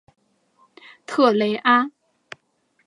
特雷阿。